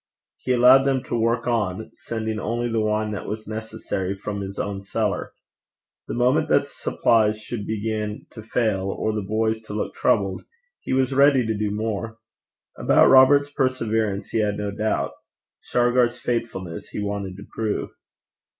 He allowed them to work on, sending only the wine that was necessary from his own cellar. The moment the supplies should begin to fail, or the boys to look troubled, he was ready to do more. About Robert's perseverance he had no doubt: Shargar's faithfulness he wanted to prove.